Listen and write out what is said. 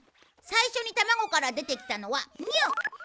最初に卵から出てきたのはミュー